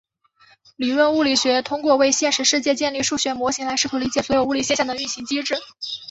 理论物理学通过为现实世界建立数学模型来试图理解所有物理现象的运行机制。